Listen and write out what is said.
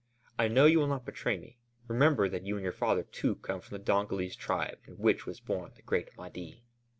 I know you will not betray me. Remember that you and your father too come from the Dongolese tribe in which was born the great Mahdi."